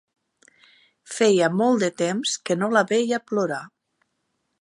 Feia molt de temps que no la veia plorar.